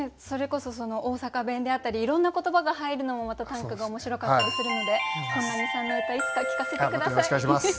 それこそその大阪弁であったりいろんな言葉が入るのもまた短歌が面白かったりするので本並さんの歌いつか聞かせて下さい。